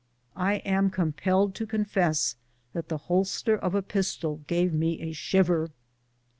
I am compelled to confess that the holster of a pistol gave me a shiver.